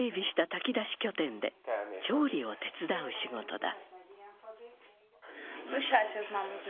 炊き出し拠点で調理を手伝う仕事だ。